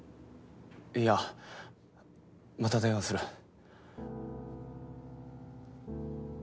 いやまた電話する。